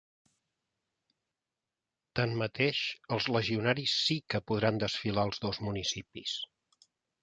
Tanmateix, els legionaris sí que podran desfilar als dos municipis.